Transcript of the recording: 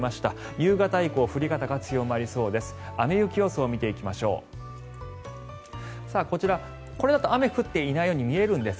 夕方以降降り方が強まりそうです。